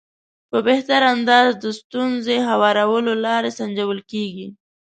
په بهتر انداز د ستونزې هوارولو لارې سنجول کېږي.